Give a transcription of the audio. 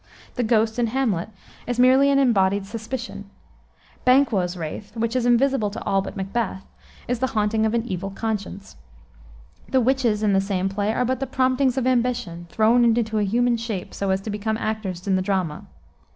The ghost in Hamlet is merely an embodied suspicion. Banquo's wraith, which is invisible to all but Macbeth, is the haunting of an evil conscience. The witches in the same play are but the promptings of ambition, thrown into a human shape, so as to become actors in the drama.